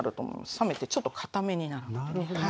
冷めてちょっと堅めになるのでね。